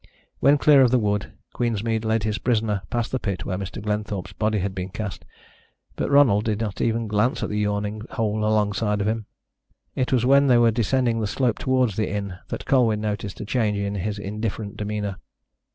When clear of the wood, Queensmead led his prisoner past the pit where Mr. Glenthorpe's body had been cast, but Ronald did not even glance at the yawning hole alongside of him. It was when they were descending the slope towards the inn that Colwyn noticed a change in his indifferent demeanour.